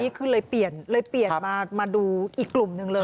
อันนี้คือเลยเปลี่ยนมาดูอีกกลุ่มหนึ่งเลย